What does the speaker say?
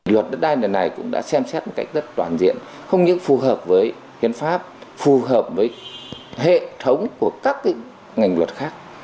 luật đất đai này cũng đã xem xét một cách rất toàn diện không những phù hợp với hiến pháp phù hợp với hệ thống của các ngành luật khác